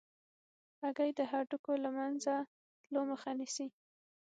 هګۍ د هډوکو له منځه تلو مخه نیسي.